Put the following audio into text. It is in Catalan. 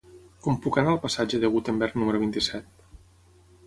Com puc anar al passatge de Gutenberg número vint-i-set?